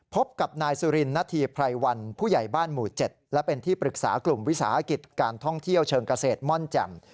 พบกับนายสุรินณฑีไพรวันผู้ใหญ่บ้านหมู่๗และเป็นที่ปรึกษากลุ่มวิสาหกิจการท่องเที่ยวเชิงเกษตรม่อนแจ่ม